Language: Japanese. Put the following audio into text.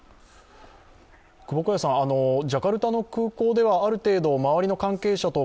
ジャカルタの空港ではある程度、周りの関係者と